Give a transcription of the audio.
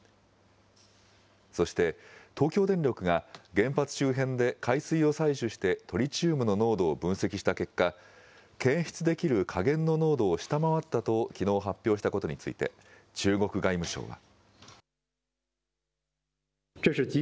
そして、東京電力が、原発周辺で海水を採取して、トリチウムの濃度を分析した結果、検出できる下限の濃度を下回ったと、きのう発表したことについて、中国外務省は。